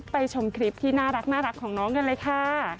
ชมคลิปที่น่ารักของน้องกันเลยค่ะ